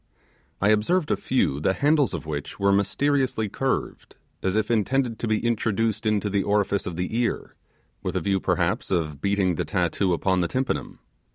I observed a few the handles of which were mysteriously curved, as if intended to be introduced into the orifice of the ear, with a view perhaps of beating the tattoo upon the tympanum.